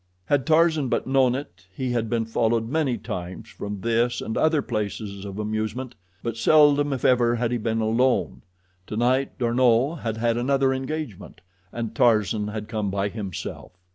Had Tarzan but known it, he had been followed many times from this and other places of amusement, but seldom if ever had he been alone. Tonight D'Arnot had had another engagement, and Tarzan had come by himself.